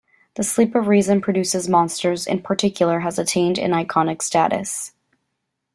"The Sleep of Reason Produces Monsters" in particular has attained an iconic status.